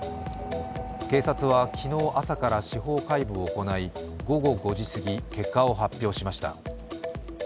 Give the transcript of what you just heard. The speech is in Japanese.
警察は昨日朝から司法解剖を行い午後５時すぎ結果を発表しました。